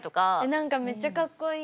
何かめっちゃかっこいい。